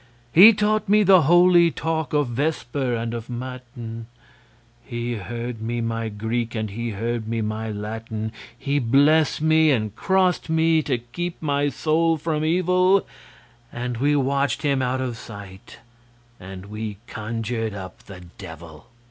He taught me the holy talk of Vesper and of Matin, He heard me my Greek and he heard me my Latin, He blessed me and crossed me to keep my soul from evil, And we watched him out of sight, and we conjured up the devil!